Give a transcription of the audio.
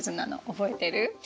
覚えてる？